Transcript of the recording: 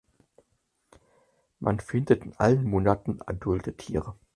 Man findet in allen Monaten adulte Tiere.